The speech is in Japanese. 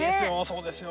そうですよ。